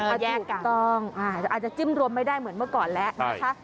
อาทิตย์ถูกต้องอาจจะจิ้มรวมไม่ได้เหมือนเมื่อก่อนแล้วนะคะ